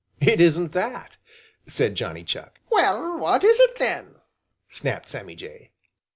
"It isn't that," said Johnny Chuck. "Well, what is it, then?" snapped Sammy Jay.